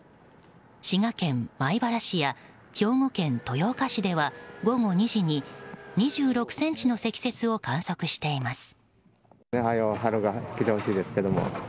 滋賀県米原市や兵庫県豊岡市では午後２時に２６ｃｍの積雪を観測しています。